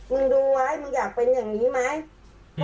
มึงดูไว้มึงอยากเป็นอย่างนี้ไหมเขาบอกเนี่ย